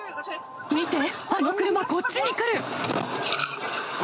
見て、あの車、こっちに来る。